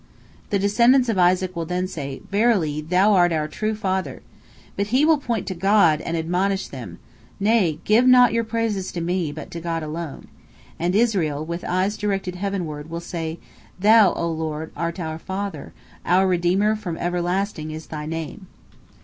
The descendants of Isaac will then say, "Verily, thou art our true father!" But he will point to God, and admonish them, "Nay, give not your praises to me, but to God alone," and Israel, with eyes directed heavenward, will say, "Thou, O Lord, art our Father; our Redeemer from everlasting is Thy name."